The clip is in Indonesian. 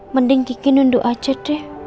mending kiki nunduk aja deh